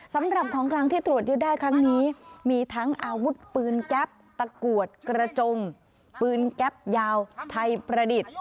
สำหรับของกลางที่ตรวจยึดได้ครั้งนี้มีทั้งอาวุธปืนแก๊ปตะกรวดกระจงปืนแก๊ปยาวไทยประดิษฐ์